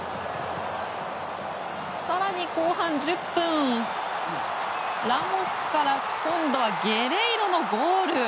更に後半１０分、ラモスから今度はゲレイロのゴール。